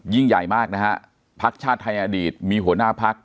ยิ่งใหญ่มากนะฮะพักชาติไทยอดีตมีหัวหน้าพัก